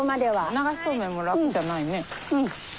流しそうめんも楽じゃないね。